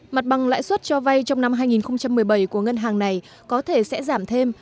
mặt bằng lãi suất cho vay trong năm hai nghìn một mươi bảy của ngân hàng này có thể sẽ giảm thêm